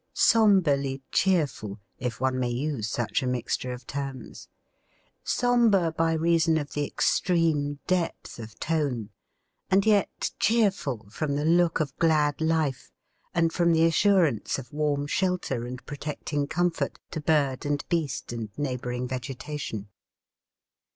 Sombrely cheerful, if one may use such a mixture of terms; sombre by reason of the extreme depth of tone, and yet cheerful from the look of glad life, and from the assurance of warm shelter and protecting comfort to bird and beast and neighbouring vegetation.